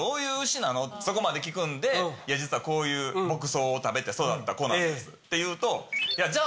そこまで聞くんで実はこういう牧草を食べて育ったコなんですって言うと。